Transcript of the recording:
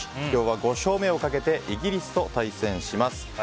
今日は５勝目をかけてイギリスと対戦します。